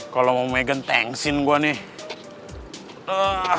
kalau mau megan thanks in gue nih